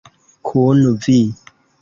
Kun vi.